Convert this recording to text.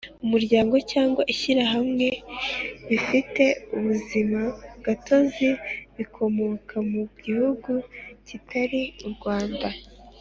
umuryango cyangwa ishyirahamwe bifite ubuzima gatozi bikomoka mu gihugu kitari u Rwanda